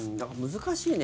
難しいね。